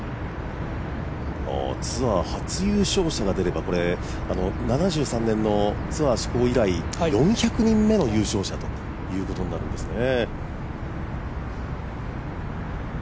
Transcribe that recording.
ツアー初優勝者が出れば、７３年のツアー施行以来、４００人目の優勝者ということになるんですね。